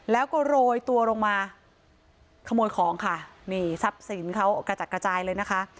แล้วก็โรยตัวลงมาขโมยของค่ะนี่ทรัพย์สินเขากระจัดกระจายเลยนะคะ